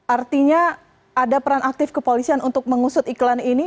artinya ada peran aktif kepolisian untuk mengusut iklan ini